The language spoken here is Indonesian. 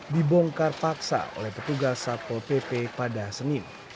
dibongkar paksa oleh petugas satpol pp pada senin